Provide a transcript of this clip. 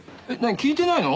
聞いてないの？